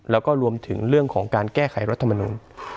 แล้วก็รวมถึงเรื่องของการแก้ไขรัฐมนุน